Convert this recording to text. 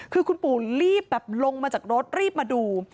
คือคุณปู่รีบแบบลงมาจากรถรีบมาดู